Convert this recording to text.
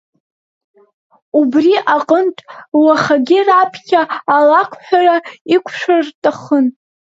Убри аҟынтә, уахагьы раԥхьа алакәҳәара иқәшәар рҭахын.